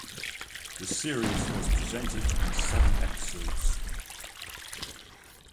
The series was presented in seven episodes.